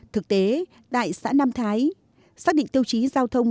thực tế tại xã nam thái xác định tiêu chí giao thông